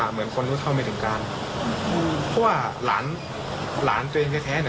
เหมือนกับมันก็รู้เท่ามีถึงการเนอะ